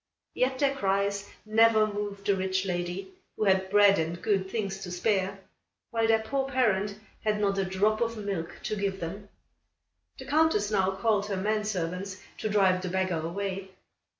Yet their cries never moved the rich lady, who had bread and good things to spare, while their poor parent had not a drop of milk to give them. The Countess now called her men servants to drive the beggar away.